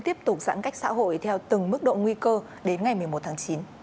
tiếp tục giãn cách xã hội theo từng mức độ nguy cơ đến ngày một mươi một tháng chín